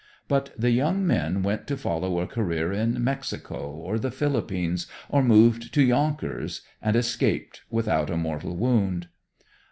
But the young men went to follow a career in Mexico or the Philippines, or moved to Yonkers, and escaped without a mortal wound.